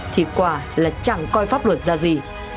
thì quả là chẳng coi pháp luật ra gì